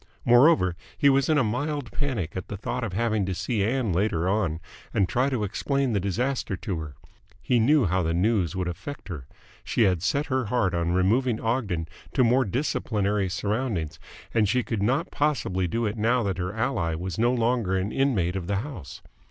Moreover, he was in a mild panic at the thought of having to see Ann later on and try to explain the disaster to her. He knew how the news would affect her. She had set her heart on removing Ogden to more disciplinary surroundings, and she could not possibly do it now that her ally was no longer an inmate of the house.